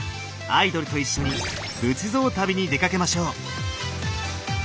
アイドルと一緒に仏像旅に出かけましょう。